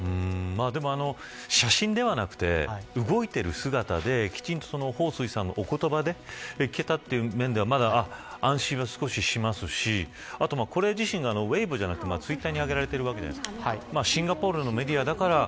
でも写真ではなくて動いている姿できちんと彭帥さんのお言葉で聞けたという面ではまだ、安心は少ししますしこれ自身が、ウェイボじゃなくてツイッターに上げられているわけです。